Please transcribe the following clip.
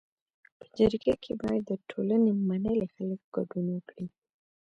په جرګه کي باید د ټولني منلي خلک ګډون وکړي.